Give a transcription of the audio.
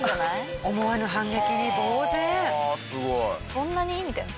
そんなに？みたいな。